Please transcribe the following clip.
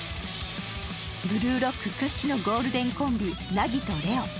「ブルーロック」屈指のゴールデンコンビ、凪と玲王。